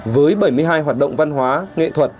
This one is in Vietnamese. với bảy mươi hai hoạt động văn hóa nghệ thuật